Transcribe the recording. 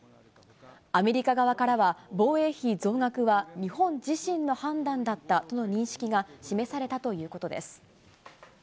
アメリカ側からは、防衛費増額は日本自身の判断だったとの認識が示されたということです。